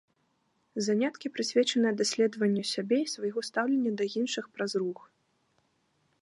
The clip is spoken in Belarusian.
Заняткі прысвечаныя даследаванню сябе і свайго стаўлення да іншых праз рух.